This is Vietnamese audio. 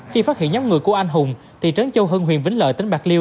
khi phát hiện nhóm người của anh hùng tỉ trấn châu hân huyền vĩnh lợi tỉnh bạc liêu